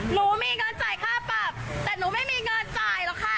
หนูมีเงินจ่ายค่าปรับแต่หนูไม่มีเงินจ่ายหรอกค่ะ